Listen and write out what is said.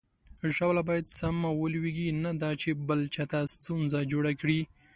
ژاوله باید سمه ولویږي، نه دا چې بل چاته ستونزه جوړه کړي.